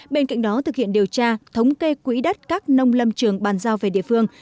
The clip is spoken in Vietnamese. bên cạnh đó thực hiện điều tra thống kê quỹ đất các nông lâm trường bàn giao về địa phương